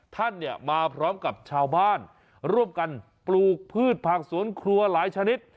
ท่านเนี่ยมาพร้อมกับชาวบ้านร่วมกันปลูกพืชผักสวนครัวหลายชนิด